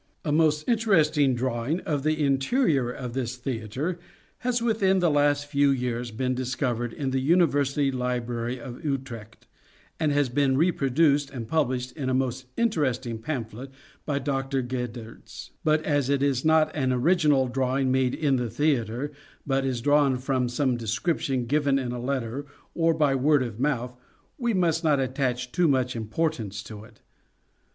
A most interesting drawing of the interior of this theatre has within the last few years been discovered in the Univer sity Library of Utrecht, and has been reproduced and published in a most interesting pamphlet by Dr. Gaedertz. But as it is not an original drawing made in the theatre, but is drawn from some description given in a letter or by word of mouth, we must not attach too much importance to it.